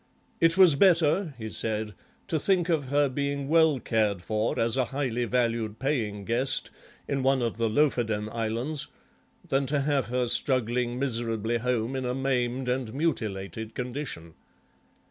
It was better, he said, to think of her being well cared for as a highly valued paying guest in one of the Lofoden Islands than to have her struggling miserably home in a maimed and mutilated condition.